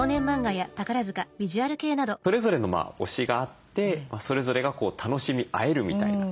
それぞれの推しがあってそれぞれが楽しみ合えるみたいな。